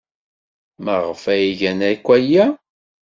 Maɣef ay gan akk aya?